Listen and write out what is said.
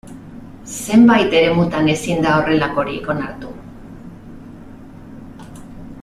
Zenbait eremutan ezin da horrelakorik onartu.